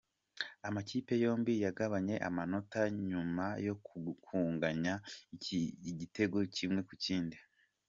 Amakipe yombi yagabanye amanota nyuma yo kunganya igitego kimwe ku kindi.